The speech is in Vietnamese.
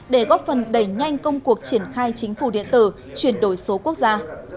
để góp phần đẩy nhanh công cuộc triển khai chính phủ điện tử chuyển đổi số quốc gia